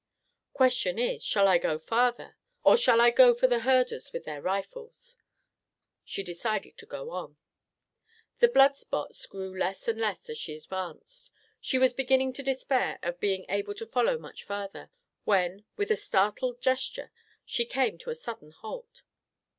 Question is, shall I go farther, or shall I go for the herders with their rifles?" She decided to go on. The blood spots grew less and less as she advanced. She was beginning to despair of being able to follow much farther, when, with a startled gesture, she came to a sudden halt.